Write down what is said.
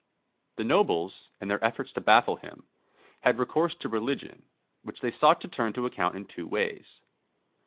The nobles, in their efforts to baffle him, had recourse to religion, which they sought to turn to account in two ways.